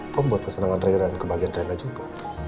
kok buat kesenangan rai dan kebahagiaan rena juga